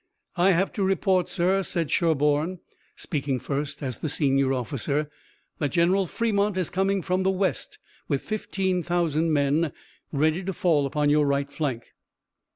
"I have to report, sir," said Sherburne, speaking first as the senior officer, "that General Fremont is coming from the west with fifteen thousand men, ready to fall upon your right flank."